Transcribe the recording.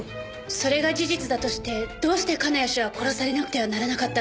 それが事実だとしてどうして金谷氏は殺されなくてはならなかったのでしょう？